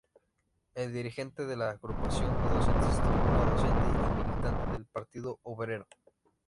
Es dirigente de la agrupación de docentes Tribuna Docente y militante del Partido Obrero.